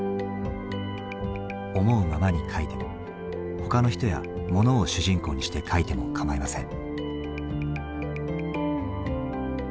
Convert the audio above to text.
思うままに書いても他の人やものを主人公にして書いてもかまいません。